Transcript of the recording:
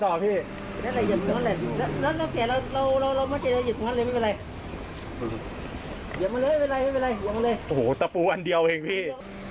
โอ้โหตะปูอันเดียวเองพี่